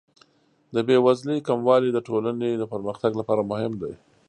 د بې وزلۍ کموالی د ټولنې د پرمختګ لپاره مهم دی.